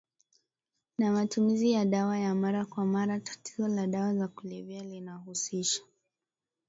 na matumizi ya dawa ya mara kwa mara Tatizo la dawa za kulevya linahusisha